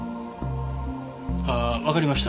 ああわかりました。